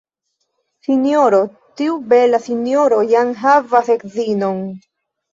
Sinjoro, tiu bela sinjoro jam havas edzinon!